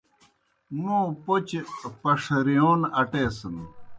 موں پوْچہ پݜرِیون اٹیسِن۔